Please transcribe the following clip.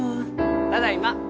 ただいま！